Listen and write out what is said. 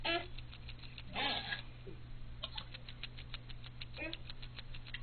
下面是文件压缩软件的不完全列表。